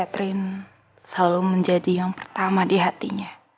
catherine selalu menjadi yang pertama di hatinya